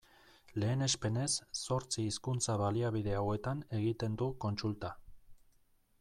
Lehenespenez, zortzi hizkuntza-baliabide hauetan egiten du kontsulta.